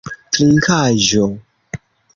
trinkaĵo